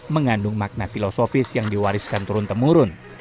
mengandung makna filosofis yang diwariskan turun temurun